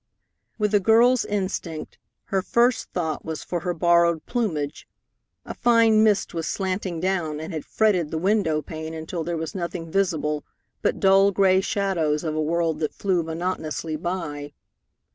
With a girl's instinct, her first thought was for her borrowed plumage. A fine mist was slanting down and had fretted the window pane until there was nothing visible but dull gray shadows of a world that flew monotonously by.